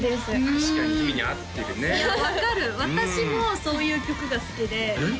確かに姫に合ってるね分かる私もそういう曲が好きでえっ？